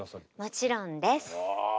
もちろんです。